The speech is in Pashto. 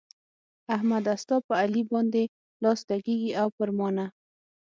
احمده! ستا په علي باندې لاس لګېږي او پر ما نه.